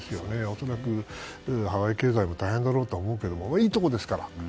恐らくハワイ経済も大変だと思いますがいいところですから。